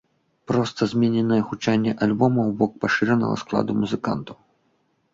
Проста змененае гучанне альбома ў бок пашыранага складу музыкантаў.